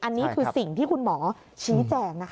อันนี้คือสิ่งที่คุณหมอชี้แจงนะคะ